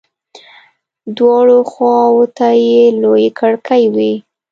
دواړو خواو ته يې لويې کړکۍ وې.